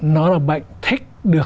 nó là bệnh thích được